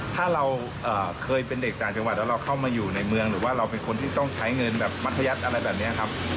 ถ้าเราเคยเป็นเด็กต่างจังหวัดแล้วเราเข้ามาอยู่ในเมืองหรือว่าเราเป็นคนที่ต้องใช้เงินแบบมัธยัติอะไรแบบนี้ครับ